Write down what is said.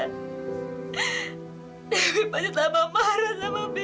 dewi pasti tambah marah sama bibi